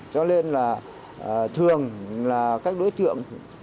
cho nên là thường là các đối tượng